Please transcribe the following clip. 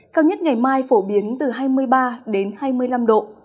cao nhất ngày mai phổ biến từ hai mươi ba đến hai mươi năm độ